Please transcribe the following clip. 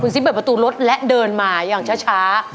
ซิบเปิดประตูรถและเดินมาอย่างช้า